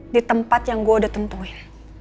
di tempat yang gue udah tentuin